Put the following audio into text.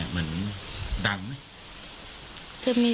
เออยังมองเราก็ไว้